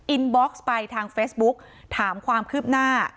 บ็อกซ์ไปทางเฟซบุ๊กถามความคืบหน้า